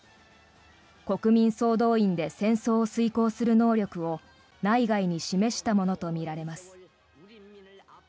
国民総動員で戦争を遂行する能力を内外に示したものとみられます。